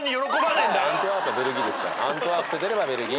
アントワープと出ればベルギー。